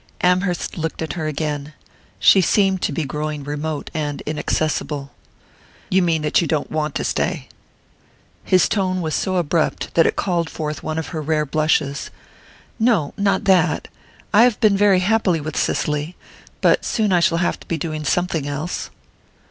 Amherst looked at her again she seemed to be growing remote and inaccessible. "You mean that you don't want to stay?" His tone was so abrupt that it called forth one of her rare blushes. "No not that. I have been very happy with Cicely but soon I shall have to be doing something else."